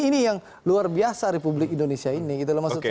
ini yang luar biasa republik indonesia ini